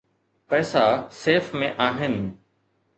پئسا سيف ۾ آهن.